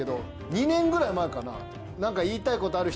２年ぐらい前かな。